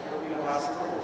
itu ilmu hasil terus